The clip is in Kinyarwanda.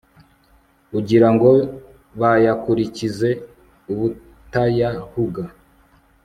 ugira ngo bayakurikize ubutayahuga